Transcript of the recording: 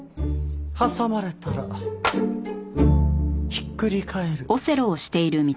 挟まれたらひっくり返る。